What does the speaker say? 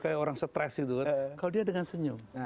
kayak orang stres gitu kan kalau dia dengan senyum